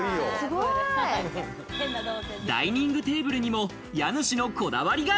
ダイニングテーブルにも家主のこだわりが。